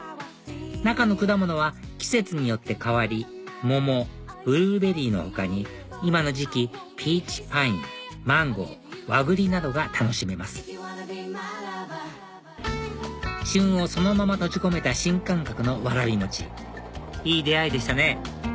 中の果物は季節によって替わり桃ブルーベリーの他に今の時期ピーチパインマンゴー和栗などが楽しめます旬をそのまま閉じ込めた新感覚のわらび餅いい出会いでしたね